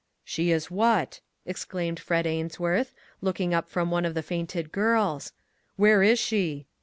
" She is what? " exclaimed Fred Ainsworth, looking up from one of the fainted girls. "Where is she?"